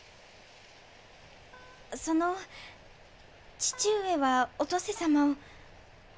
その義父上はお登世様を。